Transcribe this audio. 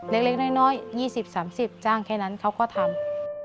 เล็กน้อย๒๐๓๐จ้างแค่นั้นเขาก็ทำ